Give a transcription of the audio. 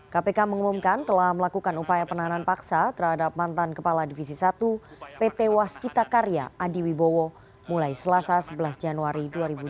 kpk mengumumkan telah melakukan upaya penahanan paksa terhadap mantan kepala divisi satu pt waskita karya adi wibowo mulai selasa sebelas januari dua ribu dua puluh